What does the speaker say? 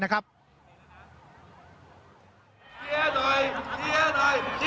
เชียร์หน่อย